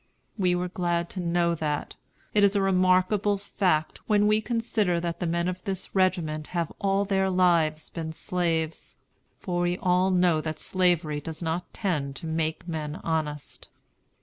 We were glad to know that. It is a remarkable fact, when we consider that the men of this regiment have all their lives been slaves; for we all know that Slavery does not tend to make men honest.